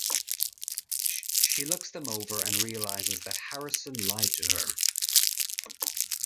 She looks them over and realizes that Harrison lied to her.